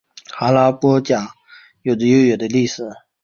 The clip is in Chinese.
哈拉卜贾有着悠久的历史。